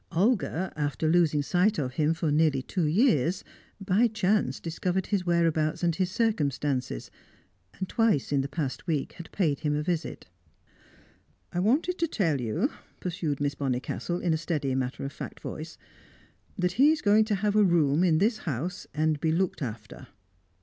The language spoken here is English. Olga, after losing sight of him for nearly two years, by chance discovered his whereabouts and his circumstances, and twice in the past week had paid him a visit. "I wanted to tell you," pursued Miss Bonnicastle, in a steady, matter of fact voice, "that he's going to have a room in this house, and be looked after."